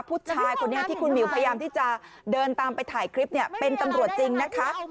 ผู้ชายคนนี้ที่คุณหมิวพยายามที่จะเดินตามไปถ่ายคลิปเนี่ยเป็นตำรวจจริงนะคะ